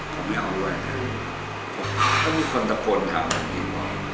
ถ้ามีคนด่ะพูดเอาอย่างนี้ว่า